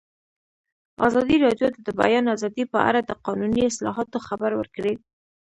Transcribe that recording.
ازادي راډیو د د بیان آزادي په اړه د قانوني اصلاحاتو خبر ورکړی.